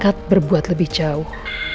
kat berbuat lebih jauh